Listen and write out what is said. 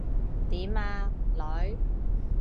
點呀，女？